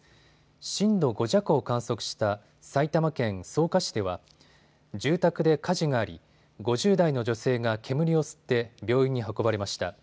震度５弱を観測した埼玉県草加市では住宅で火事があり、５０代の女性が煙を吸って病院に運ばれました。